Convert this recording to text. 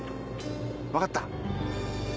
わかった。